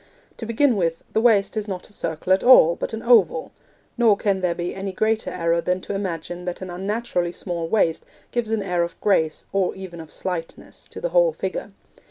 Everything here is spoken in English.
To begin with, the waist is not a circle at all, but an oval; nor can there be any greater error than to imagine that an unnaturally small waist gives an air of grace, or even of slightness; to the whole figure.